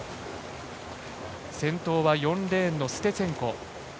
先頭は４レーンのステツェンコ。